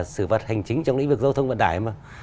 xử phạt hành chính trong lĩnh vực giao thông vận tải mà